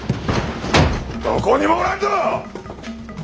どこにもおらんぞ！